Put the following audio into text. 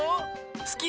すき？